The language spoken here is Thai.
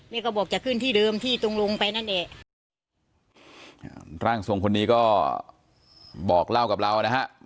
เขาบอกจะขึ้นที่เดิมที่ตรงลงไปนั่นแหละร่างทรงคนนี้ก็บอกเล่ากับเรานะฮะ